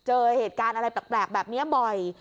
เจอเหตุการณ์อะไรแปลกแบบนี้บ่อย